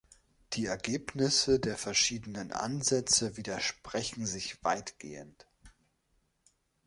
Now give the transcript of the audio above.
Die Ergebnisse der verschiedenen Ansätze widersprechen sich weitgehend.